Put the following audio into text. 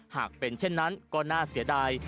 หากเป็นเช่นนั้นก็น่าเสียดาย